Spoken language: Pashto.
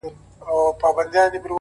او چې نه شي خلاصیدی اړینه ده چې